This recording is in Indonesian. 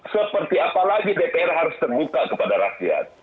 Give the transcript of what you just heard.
seperti apa lagi dpr harus terbuka kepada rakyat